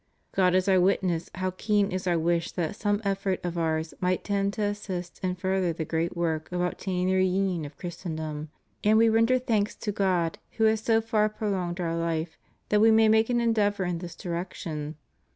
God is Our witness how keen is Our wish that some effort of Ours might tend to assist and further the great work of obtaining the reunion of Christendom; and We render thanks to God, who has so far prolonged Our life, that We may make an endeavor in this direction.